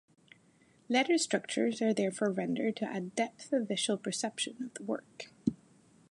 Letter structures are therefore rendered to add depth of visual perception of the work.